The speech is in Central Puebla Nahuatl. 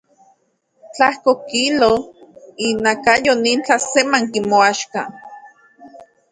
Tlajko kilo inakayo nin tlasemanki moaxka.